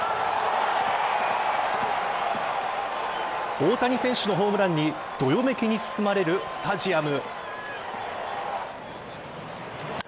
大谷選手のホームランにどよめきに包まれるスタジアム。